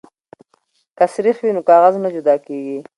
که سريښ وي نو کاغذ نه جدا کیږي.